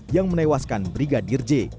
yang menewaskan brigadir j